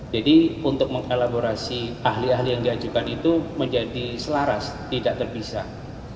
jadi untuk mengelaborasi ahli ahli yang diajukan itu menjadi selaras tidak terpisah